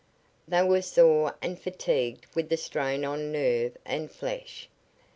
They were sore and fatigued with the strain on nerve and flesh.